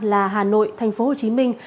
là hà nội thành phố hồ chí minh